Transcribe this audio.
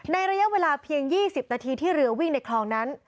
ระยะเวลาเพียง๒๐นาทีที่เรือวิ่งในคลองนั้น